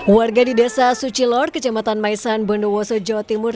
warga di desa sucilor kecamatan maisan bondowoso jawa timur